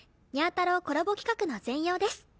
太郎コラボ企画の全容です。